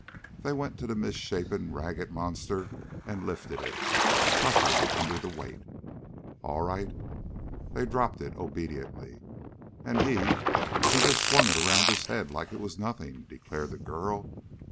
They went to the misshapen, ragged monster and lifted it, puffing under the weight. "All right." They dropped it obediently. "And he he just swung it around his head like it was nothing!" declared the girl.